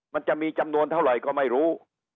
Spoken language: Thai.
มันจะมีจำนวนเท่าไหร่ก็ไม่รู้